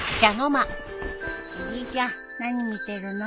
おじいちゃん何見てるの？